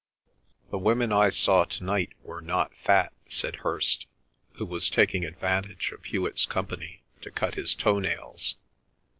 "The women I saw to night were not fat," said Hirst, who was taking advantage of Hewet's company to cut his toe nails.